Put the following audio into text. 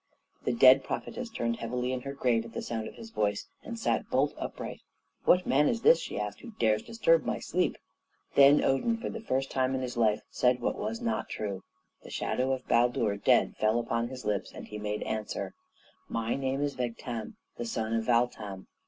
The dead prophetess turned heavily in her grave at the sound of his voice, and sat bolt upright. "What man is this," she asked, "who dares disturb my sleep?" Then Odin, for the first time in his life, said what was not true; the shadow of Baldur dead fell upon his lips, and he made answer, "My name is Vegtam, the son of Valtam."